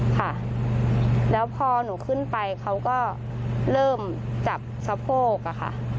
ค่ะแล้วพอหนูขึ้นไปเขาก็เริ่มจับสะโพกอะค่ะ